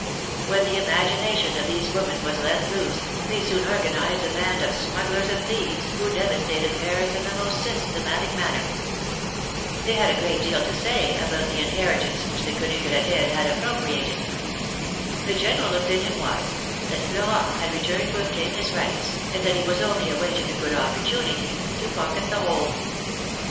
When the imagination of these women was let loose, they soon organized a band of smugglers and thieves, who devastated Paris in the most systematic manner. They had a great deal to say about the inheritance which the Quenu Gradelles had appropriated. The general opinion was, that Florent had returned to obtain his rights, and that he was only awaiting a good opportunity to pocket the whole.